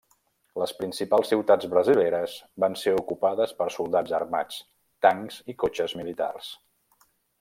Les principals ciutats brasileres van ser ocupades per soldats armats, tancs i cotxes militars.